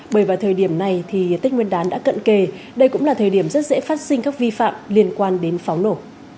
bởi vào thời điểm này thì tết nguyên đán đã cận kề đây cũng là thời điểm rất dễ phát sinh các vi phạm liên quan đến pháo nổ